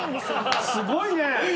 すごいね！